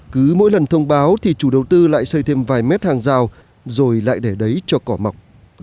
cứ mỗi lần thông báo thì chủ đầu tư lại xây thêm vài mét hàng rào rồi lại để đấy cho cỏ mọc